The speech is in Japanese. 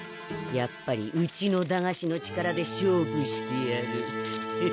やっぱりうちの駄菓子の力で勝負してやる。